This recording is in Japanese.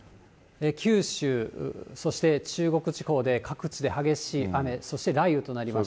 九州、そして中国地方で各地で激しい雨、そして雷雨となりました。